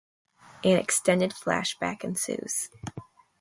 An extended flashback ensues.